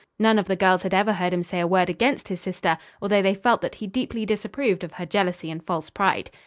None of the girls had ever heard him say a word against his sister; although they felt that he deeply disapproved of her jealousy and false pride.